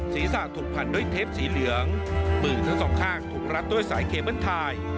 ศีรษะถูกพันด้วยเทปสีเหลืองมือทั้งสองข้างถูกรัดด้วยสายเคเบิ้ลไทย